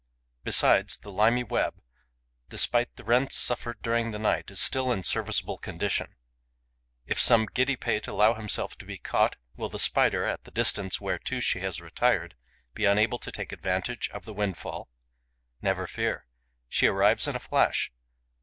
Besides, the limy web, despite the rents suffered during the night, is still in serviceable condition. If some giddy pate allow himself to be caught, will the Spider, at the distance whereto she has retired, be unable to take advantage of the windfall? Never fear. She arrives in a flash.